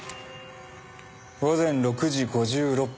午前６時５６分。